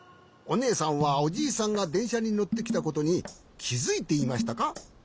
おねえさんはおじいさんがでんしゃにのってきたことにきづいていましたか？